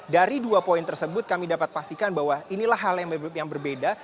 dari dua poin tersebut kami dapat pastikan bahwa inilah hal yang berbeda